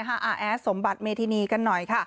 ทราบสมบัติเมทินีกันหน่อย